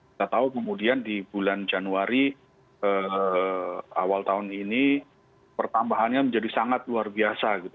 kita tahu kemudian di bulan januari awal tahun ini pertambahannya menjadi sangat luar biasa gitu